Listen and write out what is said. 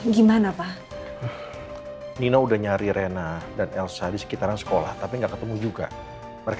gimana pak nina udah nyari rena dan elsa di sekitaran sekolah tapi enggak ketemu juga mereka